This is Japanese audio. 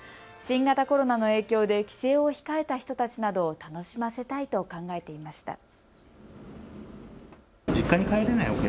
新型コロナの影響で帰省を控えた人たちなどを楽しませたいと考えていました。